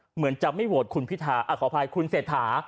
เหมือนจะไม่โหวตคุณพิธาขออภัยคุณเศรษฐา